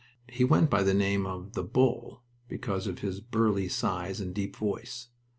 He went by the name of "The Bull," because of his burly size and deep voice.